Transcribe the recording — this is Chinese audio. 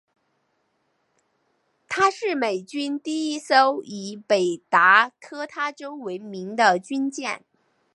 她是美军第一艘以北达科他州为名的军舰。